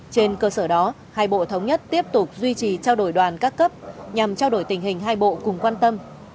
trên cơ sở đó hai bộ thống nhất tiếp tục duy trì trao đổi đoàn các cấp nhằm trao đổi tình hình hai bộ cùng quan tâm